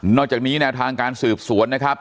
อกจากนี้แนวทางการสืบสวนนะครับ